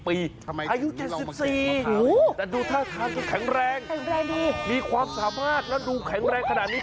อายุ๗๔แต่ดูท่าทางจะแข็งแรงแข็งแรงดีมีความสามารถแล้วดูแข็งแรงขนาดนี้